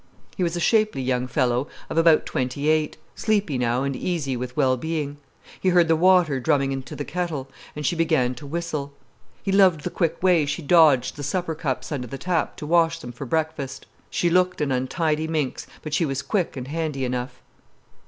He was a shapely young fellow of about twenty eight, sleepy now and easy with well being. He heard the water drumming into the kettle, and she began to whistle. He loved the quick way she dodged the supper cups under the tap to wash them for breakfast. She looked an untidy minx, but she was quick and handy enough.